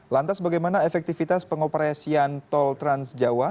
lantas bagaimana efektivitas pengoperasian tol trans jawa